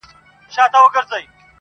سکون مي ستا په غېږه کي شفا دي اننګو کي,